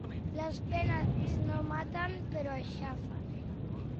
Les penes no maten, però aixafen.